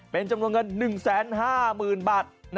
เป็นจำนวนเงิน๑๕๐๐๐บาท